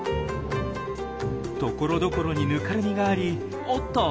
ところどころにぬかるみがありおっと！